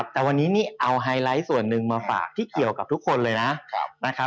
แต่วันนี้นี่เอาไฮไลท์ส่วนหนึ่งมาฝากที่เกี่ยวกับทุกคนเลยนะครับ